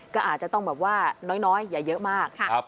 ก็อาจจะต้องแบบว่าน้อยอย่าเยอะมาก